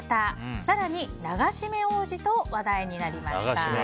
更に、流し目王子と話題になりました。